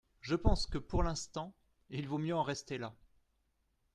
Je pense que pour l’instant, il vaut mieux en rester là.